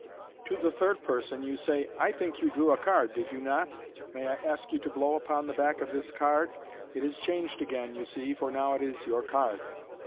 To the third person you say, " I think you drew a card, did you not ? May I ask you to blow upon the back of this card ! It has changed again, you see, for now it is your card."